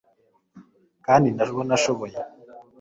kandi ndabona ashoboye